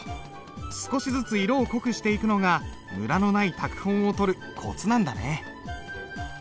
少しずつ色を濃くしていくのがムラのない拓本をとるコツなんだね。